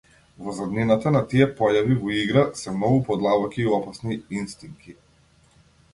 Во заднината на тие појави во игра се многу подлабоки и опасни инстинки!